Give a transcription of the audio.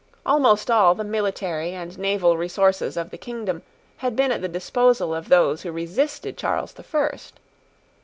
Almost all the military and naval resources of the kingdom had been at the disposal of those who resisted Charles the First.